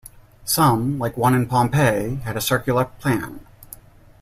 Some, like one in Pompeii, had a circular plan.